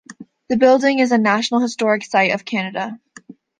The building is a National Historic Site of Canada.